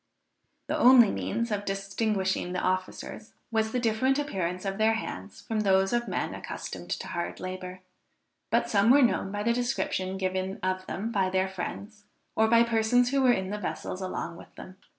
The only means of distinguishing the officers was the different appearance of their hands from those of men accustomed to hard labor; but some were known by the description given of them by their friends or by persons who were in the vessels along with them.